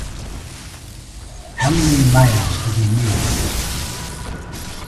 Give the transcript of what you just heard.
How many layers do we need?